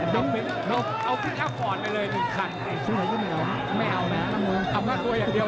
อเจมส์เอาขึ้นอัพฟอร์นไปเลยหนึ่งคันไม่เอานะเอากล้าตัวอย่างเดียวนะเอากล้าตัวอย่างเดียว